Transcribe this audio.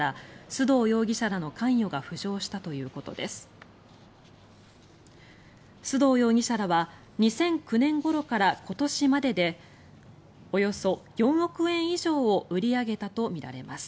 須藤容疑者らは２００９年ごろから今年まででおよそ４億円以上を売り上げたとみられます。